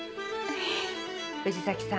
⁉藤崎さん